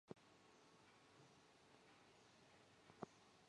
表字稷臣。